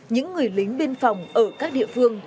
những người lính biên phòng ở các địa phương